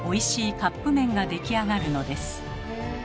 カップ麺が出来上がるのです。